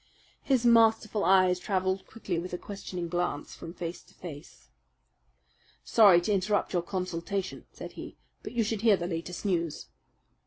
His masterful eyes travelled quickly with a questioning glance from face to face. "Sorry to interrupt your consultation," said he, "but you should hear the latest news."